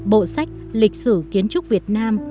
bộ sách lịch sử kiến trúc việt nam